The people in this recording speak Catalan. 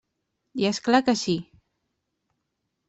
I és clar que sí!